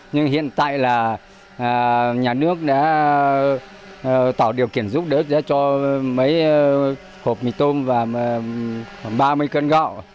nhưng hiện tại là nhà nước đã tạo điều kiện giúp đỡ cho mấy hộp mì tôm và khoảng ba mươi cân gạo